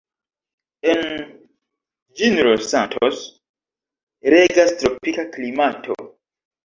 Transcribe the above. En General Santos regas tropika klimato.